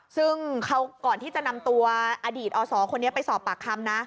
ซึ่งเขาก่อนที่จะนำตัวอดีตอศคนนี้ไปสอบปากคำนะ